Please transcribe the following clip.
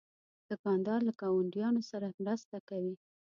دوکاندار له ګاونډیانو سره مرسته کوي.